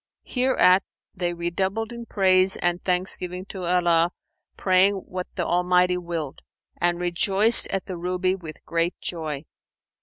Hereat, they redoubled in praise and thanksgiving to Allah praying what the Almighty willed,[FN#478] and rejoiced at the ruby with great joy.